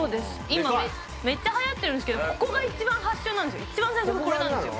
今めっちゃはやってるんですけどここが一番発祥なんですよ一番最初がこれなんですよ